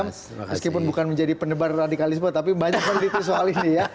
meskipun bukan menjadi penebar radikalisme tapi banyak peneliti soal ini ya